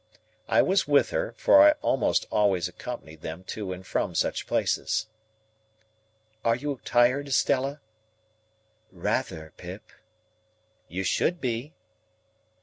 I was with her, for I almost always accompanied them to and from such places. "Are you tired, Estella?" "Rather, Pip." "You should be."